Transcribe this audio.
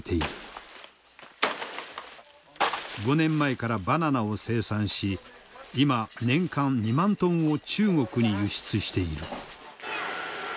５年前からバナナを生産し今年間２万トンを中国に輸出している。